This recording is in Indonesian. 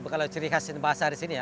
kalau ciri khas bahasa di sini ya